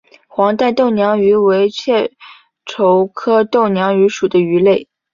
黄带豆娘鱼为雀鲷科豆娘鱼属的鱼类。